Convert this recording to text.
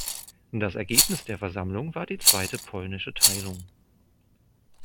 Das Ergebnis der Versammlung war die Zweite polnische Teilung.